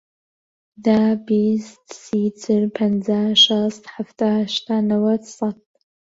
دە، بیست، سی، چل، پەنجا، شەست، حەفتا، هەشتا، نەوەت، سەد.